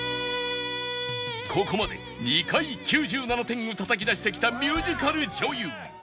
ここまで２回９７点をたたき出してきたミュージカル女優